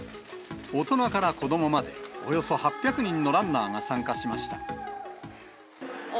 大人から子どもまで、およそ８００人のランナーが参加しました。